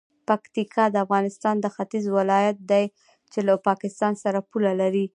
پکتیکا د افغانستان د ختیځ ولایت دی چې له پاکستان سره پوله لري.